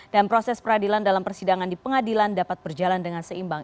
dan proses peradilan dalam persidangan di pengadilan dapat berjalan dengan seimbang